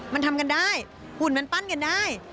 มันทำกันได้หุ่นมันปั้นกันได้